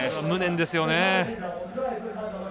無念ですよね。